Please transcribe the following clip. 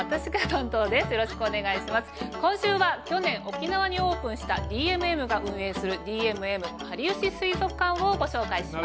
今週は去年沖縄にオープンしたＤＭＭが運営するＤＭＭかりゆし水族館をご紹介します。